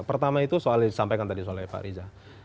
pertama itu soal yang disampaikan tadi oleh pak riza